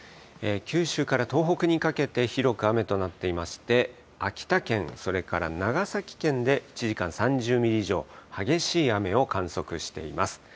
九州から東北にかけて広く雨となっていまして、秋田県、それから長崎県で１時間、３０ミリ以上、激しい雨を観測しています。